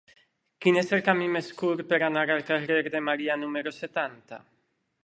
Quin és el camí més curt per anar al carrer de Maria número setanta?